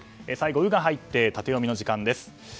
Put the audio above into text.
最後「ウ」が入ってタテヨミの時間です。